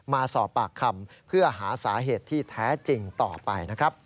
มาสอบปากคำเพื่อหาสาเหตุที่แท้จริงต่อไปนะครับ